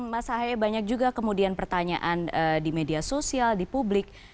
mas ahaye banyak juga kemudian pertanyaan di media sosial di publik